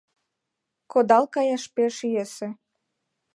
Кодал каяш пеш йӧсӧ.